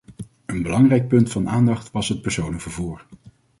Een belangrijk punt van aandacht was het personenvervoer.